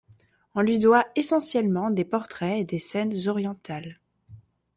On lui doit essentiellement des portraits et des scènes orientales.